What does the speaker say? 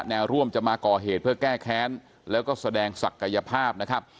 แนวร่วมจะมาก่อเหตุเพื่อแก้แค้นแล้วก็แสดงศักยภาพนะครับ